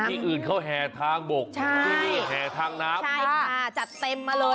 ที่อื่นเขาแห่ทางบกที่นี่แห่ทางน้ำใช่ค่ะจัดเต็มมาเลย